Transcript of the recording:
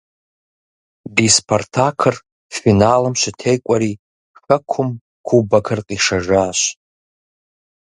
Ди «Спартак»-ыр финалым щытекӏуэри хэкум кубокыр къишэжащ.